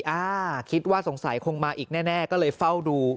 อ่าคิดว่าสงสัยคงมาอีกแน่ก็เลยเฝ้าดู